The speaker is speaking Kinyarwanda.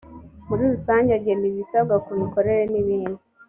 muri rusange agena ibisabwa ku mikorere n’ ibindi